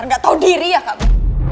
nisa gak tahu diri ya kamu